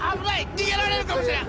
逃げられるかもしれん。